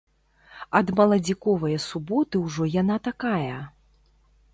Ад маладзіковае суботы ўжо яна такая!